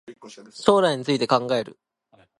将来について考える